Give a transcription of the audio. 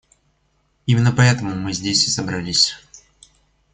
Именно поэтому мы здесь и собрались.